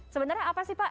sebenarnya apa sih pak